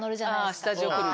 スタジオ来るのに？